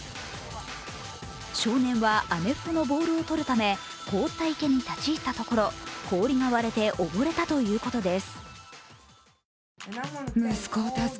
少年はアメフトのボールを取るため凍った池に立ち入ったところ氷が割れて溺れたということです。